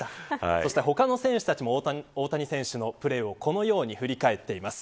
そして他の選手たちも大谷選手のプレーをこのように振り返っています。